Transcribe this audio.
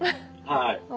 はい。